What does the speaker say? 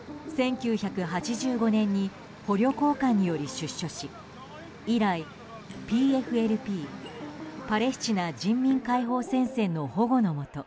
１９８５年に捕虜交換により出所し以来ＰＦＬＰ・パレスチナ人民解放戦線の保護のもと